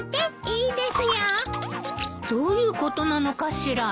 いいですよ。どういうことなのかしら。